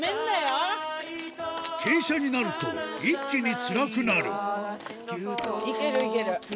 傾斜になると一気につらくなるいけるいける。